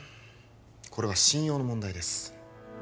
これは信用の問題です